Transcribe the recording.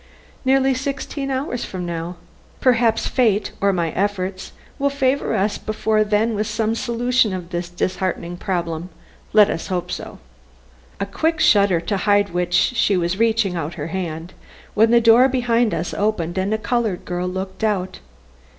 "Nearly sixteen hours from now. Perhaps fate or my efforts will favor us before then with some solution of this disheartening problem. Let us hope so." A quick shudder to hide which she was reaching out her hand, when the door behind us opened and a colored girl looked out.